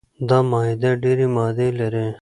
دا معاهده ډیري مادې لري.